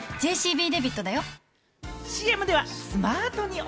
これＪＣＢデビットだよ。